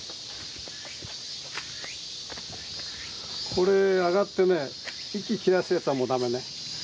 これ上がってね息切らすやつはもう駄目ね。